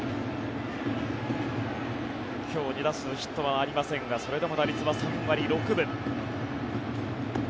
今日２打数、ヒットはありませんがそれでも打率は３割６分。